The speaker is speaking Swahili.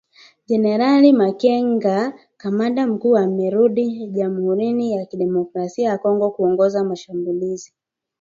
Generali Makenga, kamanda mkuu amerudi Jamhurin ya kidemokrasia ya Kongo kuongoza mashambulizi.